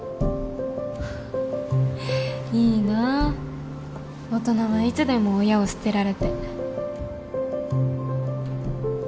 いいなあ大人はいつでも親を捨てられて。